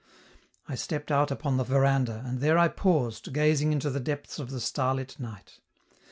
I stepped out upon the veranda, and there I paused, gazing into the depths of the starlit night.